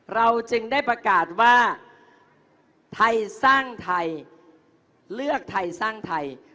เราจึงได้ประกาศว่าไทยสร้างไทยเลือกไทยสร้างไทย